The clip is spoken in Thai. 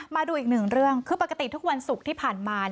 มาดูอีกหนึ่งเรื่องคือปกติทุกวันศุกร์ที่ผ่านมา